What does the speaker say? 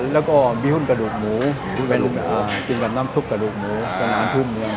แล้วก็มีหุ้นกระดูกหมูกินกับน้ำซุปกระดูกหมูกับน้ำทุ่ม